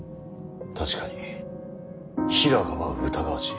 確かに平賀は疑わしい。